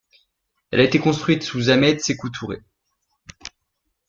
Elle a été construite sous Ahmed Sékou Touré.